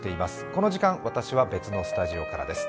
この時間、私は別のスタジオからです。